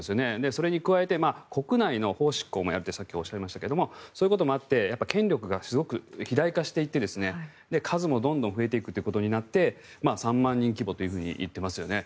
それに加えて国内の法執行もやるってさっきおっしゃいましたけどそういうこともあって権力がすごく肥大化していって数もどんどん増えていくということになって３万人規模というふうに言っていますよね。